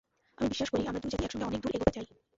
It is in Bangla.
আমি বিশ্বাস করি, আমরা দুই জাতি একসঙ্গে অনেক দূর এগোতে চাই।